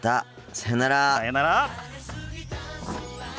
さよなら。